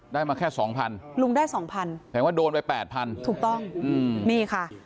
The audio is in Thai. ได้มาแค่๒๐๐๐พร้อมแสดงว่าโดนไป๘๐๐๐พร้อมถูกต้องนี่ค่ะ